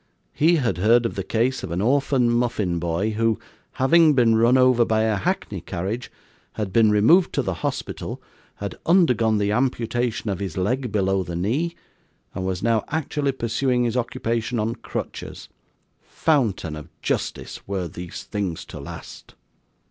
He had heard of the case of an orphan muffin boy, who, having been run over by a hackney carriage, had been removed to the hospital, had undergone the amputation of his leg below the knee, and was now actually pursuing his occupation on crutches. Fountain of justice, were these things to last!